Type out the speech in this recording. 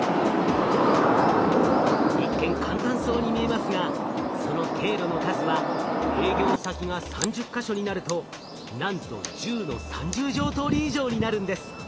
一見簡単そうに見えますがその経路の数は営業先が３０か所になるとなんと１０の３０乗通り以上になるんです。